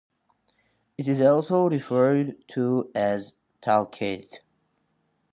It is also referred to as Tulketh.